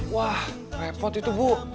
wah repot itu bu